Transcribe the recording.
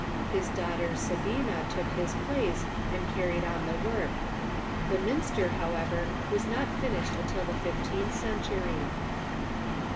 His daughter Sabina took his place and carried on his work. The minster, however, was not finished until the fifteenth century.